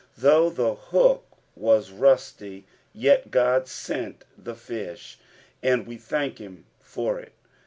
Though the hook waanut;, ^et God sent the fleh, and we thank him for it.